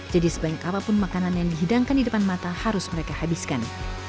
jadi sebaik apapun makanan yang dihidangkan di depan mata harus mereka habiskan